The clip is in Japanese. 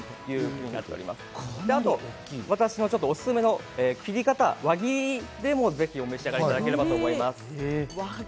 そして私のおすすめの切り方、輪切りでもぜひ、お召し上がりいただければと思います。